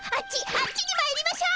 あっちにまいりましょ！